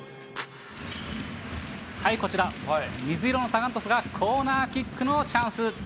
こちら、水色のサガン鳥栖がコーナーキックのチャンス。